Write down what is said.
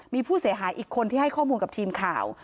มีผู้เสียหายอีกคนที่ให้ข้อมูลกับทีมข่าว